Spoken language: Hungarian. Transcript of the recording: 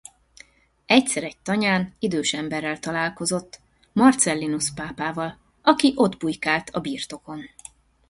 Egyszer egy tanyán idős emberrel találkozott, Marcellinusz pápával, aki ott bujkált a birtokon.